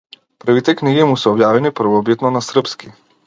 Првите книги му се објавени првобитно на српски.